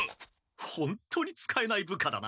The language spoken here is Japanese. ホントに使えない部下だな。